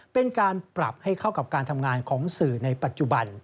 เป็นการปรับให้เข้ากับการทำงานของสื่อในปัจจุบัน